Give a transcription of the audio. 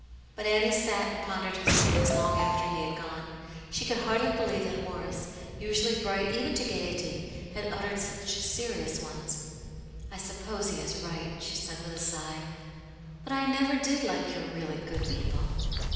But Annie sat and pondered his words long after he had gone ; she could hardly believe that Horace, usually bright even to gaiety, had uttered such serious ones. " I suppose he is right," she said, with a sigh; "but I never did like your really good people."